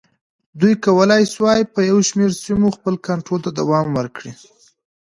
دوی کولای شوای په یو شمېر سیمو خپل کنټرول ته دوام ورکړي.